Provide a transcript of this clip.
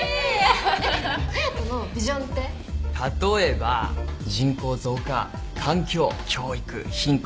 例えば人口増加環境教育貧困。